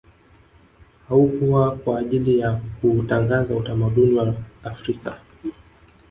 Haukwa kwa ajili ya kuutangaza utamaduni wa Afrika